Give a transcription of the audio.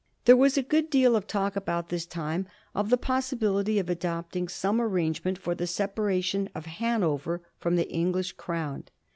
There was a good deal of talk about this time of the possibility of adopting some arrangement for the separa tion of Hanover from the English Crown.